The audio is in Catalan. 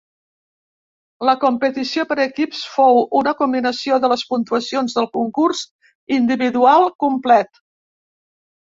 La competició per equips fou una combinació de les puntuacions del concurs individual complet.